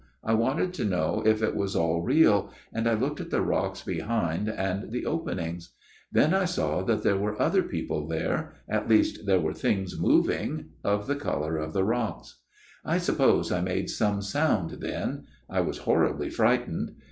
I wanted to know if it was all real, and I looked at the rocks behind and the open ings. Then I saw that there were other people there, at least there were things moving, of the colour of the rocks. 4 1 suppose I made some sound then ; I was horribly frightened.